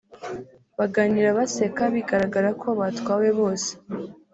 baganira baseka bigaragara ko batwawe bose